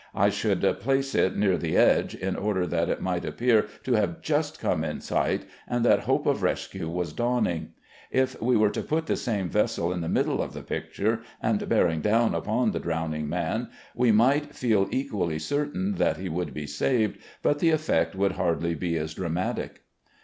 I should place it near the edge, in order that it might appear to have just come in sight, and that hope of rescue was dawning. If we were to put the same vessel in the middle of the picture, and bearing down upon the drowning man, we might feel equally certain that he would be saved, but the effect would hardly be as dramatic.